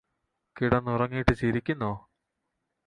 കിടന്നുറങ്ങീട്ട് ചിരിക്കുന്നോ